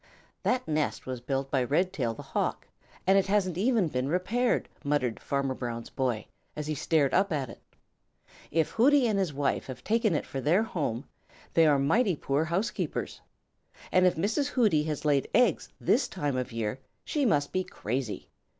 "That nest was built by Red tail the Hawk, and it hasn't even been repaired," muttered Farmer Brown's boy, as he stared up at it. "If Hooty and his wife have taken it for their home, they are mighty poor housekeepers. And if Mrs. Hooty has laid eggs this time of year, she must be crazy.